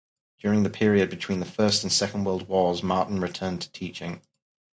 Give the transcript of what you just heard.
During the period between the First and Second World Wars Martin returned to teaching.